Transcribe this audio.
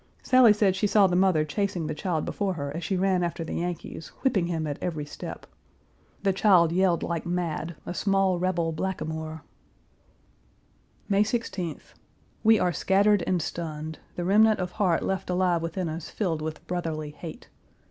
Sally said she saw the mother chasing the child before her as she ran after the Yankees, whipping him at every step. The child yelled like mad, a small rebel blackamoor. May 16th. We are scattered and stunned, the remnant of heart left alive within us filled with brotherly hate.